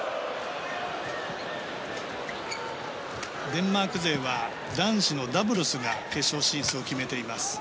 デンマーク勢は男子ダブルスが決勝進出を決めています。